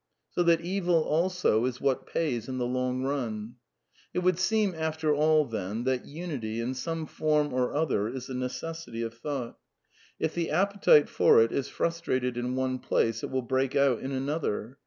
So that Evil, also, is what pays in the long run. It would seem, after all, then, that unity, in some form or other, is a necessity of thought. If the appetite for it is frustrated in one place it will break out in another.